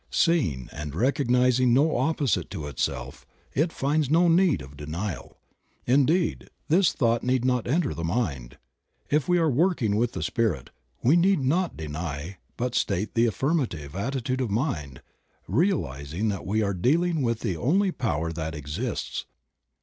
Seeing and recognizing no opposite to itself, it finds no need of denial, indeed, this thought need not enter the mind ; if we are working with the Spirit we need not deny but state the affirmative attitude of mind, realizing that we are dealing with the only power that exists.